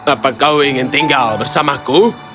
apakah kamu ingin tinggal bersamaku